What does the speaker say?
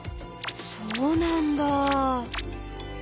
そうなんだぁ。